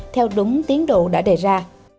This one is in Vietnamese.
theo đúng tiến độ đã đề ra